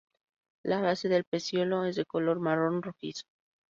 La base del pecíolo es de color marrón rojizo.